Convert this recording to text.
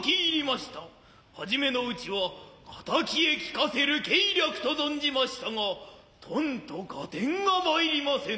始めの内は敵へ聞かする計略と存じましたがとんと合点が参りませぬ。